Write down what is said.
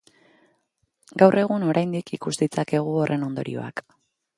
Gaur egun oraindik ikus ditzakegu horren ondorioak.